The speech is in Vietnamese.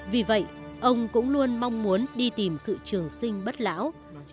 vì vậy ông cũng luôn mong muốn đi tìm sự trường sinh bất lão